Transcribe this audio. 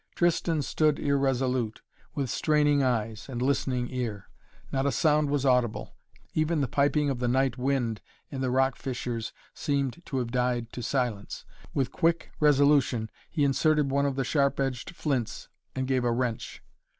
Tristan stood irresolute, with straining eyes and listening ear. Not a sound was audible. Even the piping of the night wind in the rock fissures seemed to have died to silence. With quick resolution he inserted one of the sharp edged flints and gave a wrench.